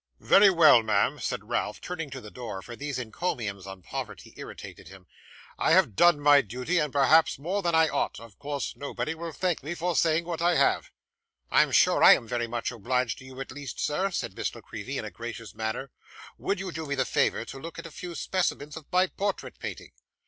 'Very well, ma'am,' said Ralph, turning to the door, for these encomiums on poverty irritated him; 'I have done my duty, and perhaps more than I ought: of course nobody will thank me for saying what I have.' 'I am sure I am very much obliged to you at least, sir,' said Miss La Creevy in a gracious manner. 'Would you do me the favour to look at a few specimens of my portrait painting?